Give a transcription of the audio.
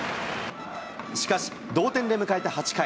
しかし、同点で迎えた８回。